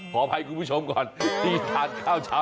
ขออภัยคุณผู้ชมก่อนที่ทานข้าวเช้า